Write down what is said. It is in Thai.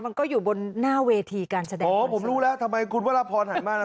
มันก็อยู่บนหน้าเวทีการแสดงโอ้ผมรู้แล้วทำไมคุณว่ารับพรหายมากน่ะ